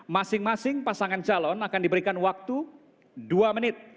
masing masing pasangan calon akan diberikan waktu dua menit